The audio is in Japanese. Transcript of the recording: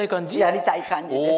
やりたい感じです。